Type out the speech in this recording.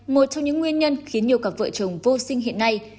một trong những nguyên nhân khiến nhiều cặp vợ chồng vô sinh hiện nay